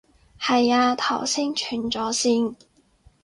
係啊，頭先斷咗線